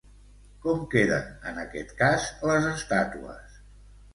Com queden en aquest cas les estàtues?